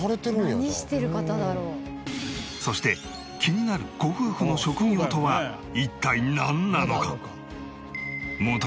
そして気になるご夫婦の職業とは一体なんなのか？